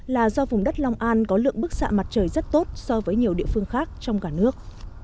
là do vùng đất long an có lượng bức xạ mặt trời rất tốt so với nhiều địa phương khác trong cả nước